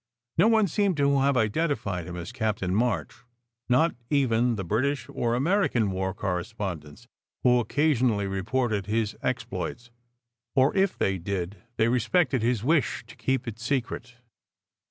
No one seemed to have identi fied him as Captain March, not even the British or Ameri can war correspondents who occasionally reported his exploits. Or if they did, they respected his wish to keep it secret.